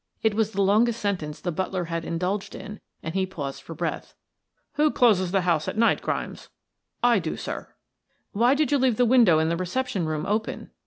It was the longest sentence the butler had indulged in and he paused for breath. "Who closes the house at night. Grimes?" "I do, sir. "Why did you leave the window in the reception room open?"